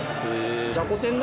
じゃこ天だ。